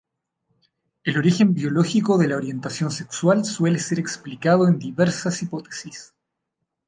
El origen biológico de la orientación sexual suele ser explicado en diversas hipótesis.